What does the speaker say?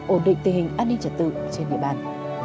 ổn định tình hình an ninh trật tự trên địa bàn